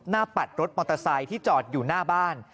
ปัดรถมอเตอร์ไซค์ที่จอดอยู่หน้าบ้าน